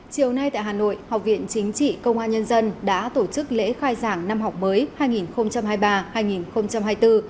chiều nay tại hà nội học viện chính trị công an nhân dân đã tổ chức lễ khai giảng năm học mới hai nghìn hai mươi ba hai nghìn hai mươi bốn